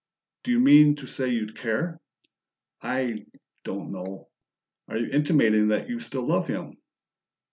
"Do you mean to say you'd care?" "I don't know." "Are you intimating that you still love him?"